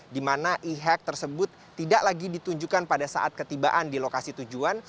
di mana e hack tersebut tidak lagi ditunjukkan pada saat ketibaan di lokasi tujuan